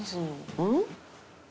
「うん？」